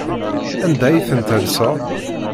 Anda ay tent-tellseḍ?